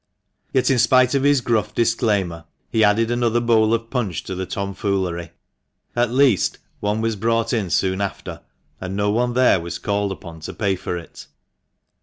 Yet, in spite of his gruff disclaimer, he added another bowl of punch to the "tomfoolery" — at least, one was brought in soon after, and no one there was called upon to pay for it.